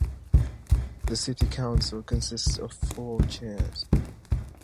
The city council consists of four chairs.